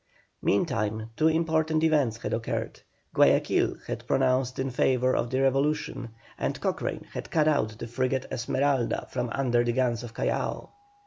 Meantime two important events had occurred. Guayaquil had pronounced in favour of the Revolution, and Cochrane had cut out the frigate Esmeralda from under the guns of Callac.